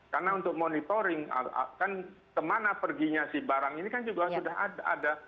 karena untuk monitoring kan kemana perginya si barang ini kan juga sudah ada